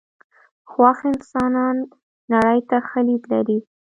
خوښ انسانان نړۍ ته ښه لید لري .